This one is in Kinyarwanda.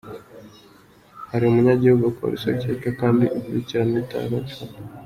Hari umunyagihugu polisi ikeka kandi ikurikirana itarafata.